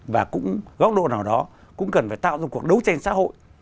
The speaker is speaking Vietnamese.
và cũng góc độ nào đó cũng cần phải tạo ra cuộc đấu tranh xã hội